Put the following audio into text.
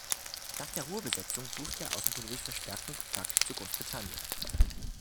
Nach der Ruhrbesetzung suchte er außenpolitisch verstärkten Kontakt zu Großbritannien.